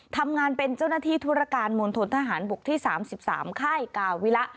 ทำงานเป็นเจ้าหน้าที่ธุรการมณฑนทหารบกที่๓๓ค่ายกาวิระ